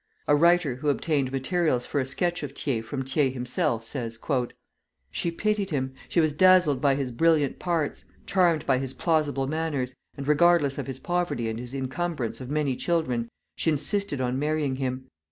A writer who obtained materials for a sketch of Thiers from the Thiers himself, says, "She pitied him, she was dazzled by his brilliant parts, charmed by his plausible manners, and regardless of his poverty and his incumbrance of many children, she insisted on marrying him.